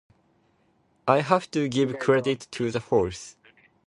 I have to give credit to the horse.